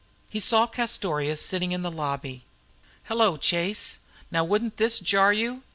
He saw Castorious sitting in the lobby. "Hello, Chase, now wouldn't this jar you?"